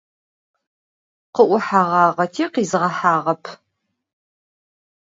Khı'uheğağeti, khizğehağep.